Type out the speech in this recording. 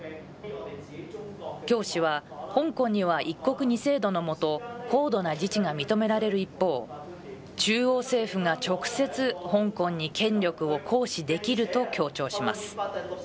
教師は、香港には一国二制度の下、高度な自治が認められる一方、中央政府が直接、香港に権力を行使できると強調します。